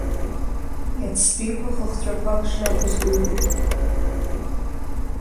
Иацтәиқәа хыхҵәақәак шракәыз гәеиҭеит.